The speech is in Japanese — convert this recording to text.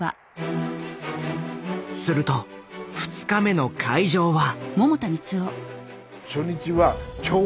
すると２日目の会場は。